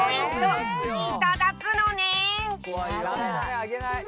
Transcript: あげない。